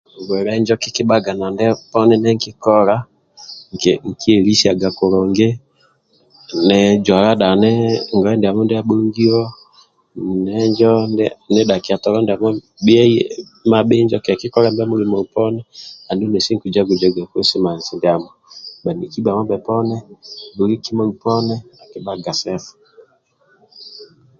bwele njo kikibaga nandyekikola nkye lisiaga kulungi nijwala dhani ngoye ndiamo ndiabhongiyo nidhakiya tolo ndiamo bye hini kenkikole mulimo poni andulu nesi nkijaguza kulisimansi ndiamo